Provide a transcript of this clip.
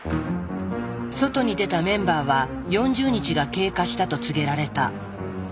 外に出たメンバーは４０日が経過したと告げられた。